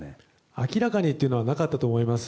明らかにというのはなかったと思います。